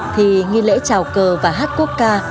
thì nghi lễ trào cờ và hát cuốc ca